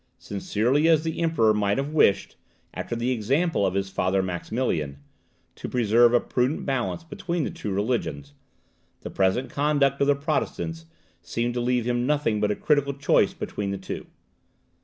Sincerely as the Emperor might have wished, after the example of his father Maximilian, to preserve a prudent balance between the two religions, the present conduct of the Protestants seemed to leave him nothing but a critical choice between the two.